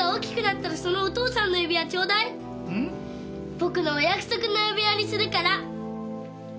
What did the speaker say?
僕のお約束の指輪にするから。